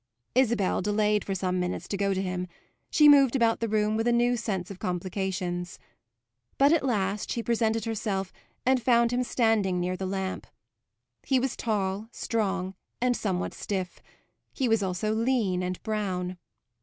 Isabel delayed for some minutes to go to him; she moved about the room with a new sense of complications. But at last she presented herself and found him standing near the lamp. He was tall, strong and somewhat stiff; he was also lean and brown.